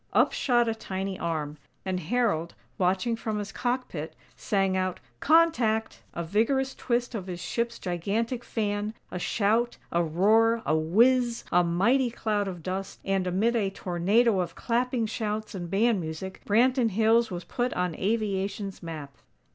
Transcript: Up shot a tiny arm; and Harold, watching from his cockpit, sang out: "CONTACT!!" A vigorous twist of his ship's gigantic "fan" a shout, a roar, a whizz, a mighty cloud of dust, and amid a tornado of clapping, shouts, and band music, Branton Hills was put on aviation's map.